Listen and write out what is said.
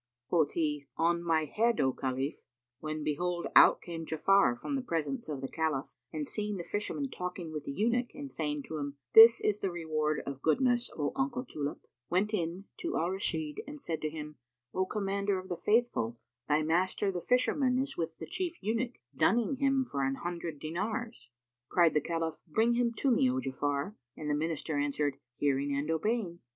Quoth he, "On my head, O Khalif," when, behold, out came Ja'afar from the presence of the Caliph and seeing the fisherman talking with the Eunuch and saying to him, "This is the reward of goodness, O nuncle Tulip," went in to Al Rashid and said to him, "O Commander of the Faithful, thy master the Fisherman is with the Chief Eunuch, dunning him for an hundred dinars." Cried the Caliph, "Bring him to me, O Ja'afar;" and the Minister answered, "Hearing and obeying."